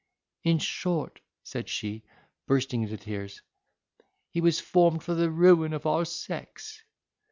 "In short," said she, bursting into tears, "he was formed for the ruin of our sex.